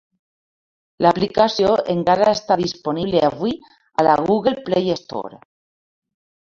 L'aplicació encara està disponible avui a la Google Play Store.